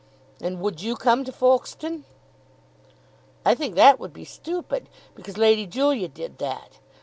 "And would you come to Folkestone?" "I think that would be stupid, because Lady Julia did that.